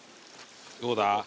どうだ？